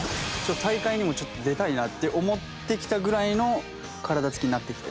大会にもちょっと出たいなって思ってきたぐらいの体つきになってきて。